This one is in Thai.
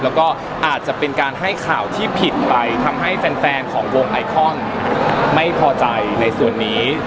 แล้วก็อาจจะเป็นการให้ข่าวที่ผิดไปทำให้แฟนของวงไอคอนไม่พอใจในส่วนนี้